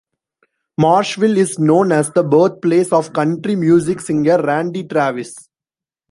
Marshville is known as the birthplace of country music singer Randy Travis.